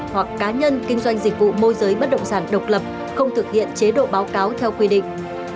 hoặc cá nhân kinh doanh dịch vụ môi giới bất động sản độc lập không thực hiện chế độ báo cáo theo quy định